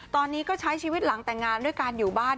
ตอนนี้ก็ใช้ชีวิตหลังแต่งงานด้วยการอยู่บ้าน